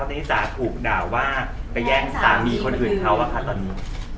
เพราะว่าพี่จ๋าถูกด่าว่าไปแย่งสามีคนอื่นเขาว่ะครับตอนนี้